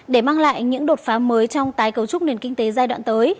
để mang lại những đột phá mới trong tái cấu trúc nền kinh tế giai đoạn tới